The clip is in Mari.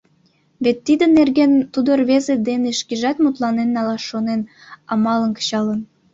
Вет тидын нерген тудо рвезе дене шкежат мутланен налаш шонен, амалым кычалын.